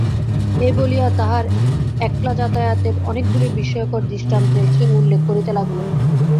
এই বলিয়া তাহার একলা যাতায়াতের অনেকগুলি বিস্ময়কর দৃষ্টান্তের সে উল্লেখ করিতে লাগিল।